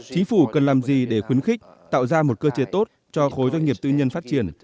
chính phủ cần làm gì để khuyến khích tạo ra một cơ chế tốt cho khối doanh nghiệp tư nhân phát triển